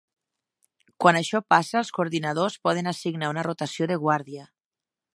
Quan això passa, els coordinadors poden assignar una rotació de guàrdia.